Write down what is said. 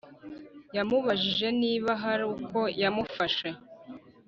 yamubajije niba hari uko yamufasha